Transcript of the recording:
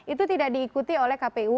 itu tidak diikuti oleh kpu